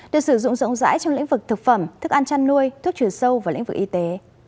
được sử dụng rộng rãi trong lĩnh vực thực phẩm thức ăn chăn nuôi thuốc trừ sâu và lĩnh vực y tế